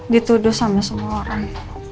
dituduh sama semua orang